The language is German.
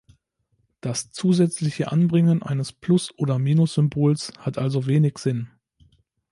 Das zusätzliche Anbringen eines Plusoder Minussymbols hat also wenig Sinn.